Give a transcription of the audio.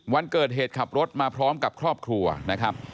วันเกิดเหตุขับรถมาพร้อมกับครอบครัวนะครับ